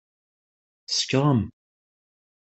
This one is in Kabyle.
Tsekṛem!